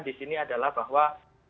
di sini adalah bahwa